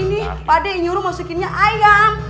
ini pak d yang nyuruh masukinnya ayam